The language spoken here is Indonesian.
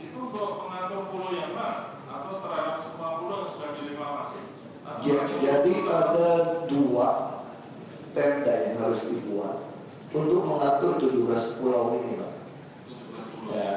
bagaimana pemerintah dari pembangunan